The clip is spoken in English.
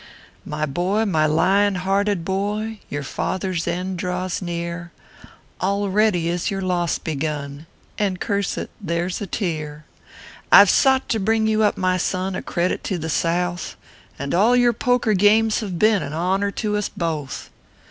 My boy, my lion hearted boy, Your father s end draws near; Already is your loss begun, And, curso it, there s a tear. ORPHEUS C. KERIl PAPERS. 77 I ve sought to bring you up, my son, A credit to the South, And all your poker games have been An honor to us both.